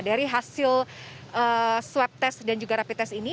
dari hasil swab tes dan juga rapi tes ini